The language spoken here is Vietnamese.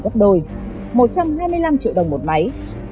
gấp đôi một trăm hai mươi năm triệu đồng một máy